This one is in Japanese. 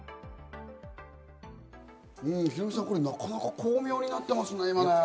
ヒロミさん、これなかなか巧妙になってますね。